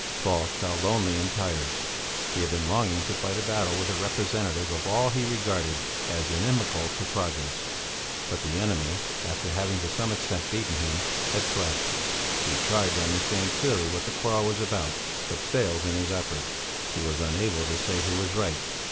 Falk felt lonely and tired. He had been longing to fight a battle with a representative of all he regarded as inimical to progress; but the enemy, after having to some extent beaten him, had fled. He tried to understand clearly what the quarrel was about, but failed in his effort; he was unable to say who was right.